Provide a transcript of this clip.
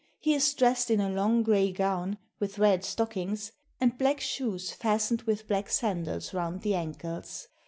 He is dressed in a long gray gown, with red stockings, and black shoes fastened with black sandals round the ankles.